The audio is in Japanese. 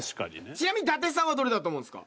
ちなみに伊達さんはどれだと思うんですか？